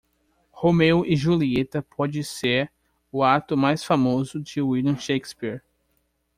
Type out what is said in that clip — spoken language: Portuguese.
Romeu e Julieta pode ser o ato mais famoso de William Shakespeare.